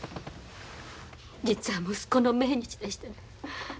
実は息子の命日でしてね。